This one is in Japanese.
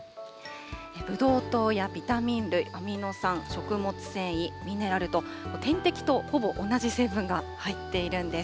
ブドウ糖やビタミン類、アミノ酸、食物繊維、ミネラルと、点滴とほぼ同じ成分が入っているんです。